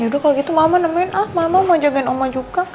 ya udah kalo gitu mama nemuin ah mama mau jagain omah juga